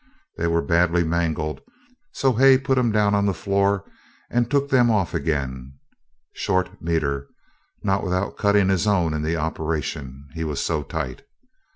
They were badly mangled, so Hay put him down on the floor and took them off again, short metre, not without cutting his own in the operation, he was so tight.